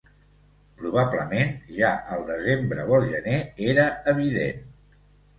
Probablement ja el desembre o el gener era evident